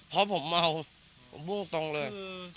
เพราะผมเมาผมพูดตรงเลย